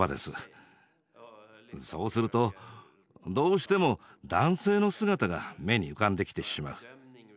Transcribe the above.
そうするとどうしても男性の姿が目に浮かんできてしまう。